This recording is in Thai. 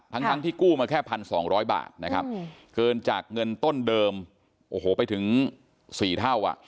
ทั้งที่กู้มาแค่๑๒๐๐บาทนะครับเกินจากเงินต้นเดิมโอ้โหไปถึง๔เท่าอ่ะ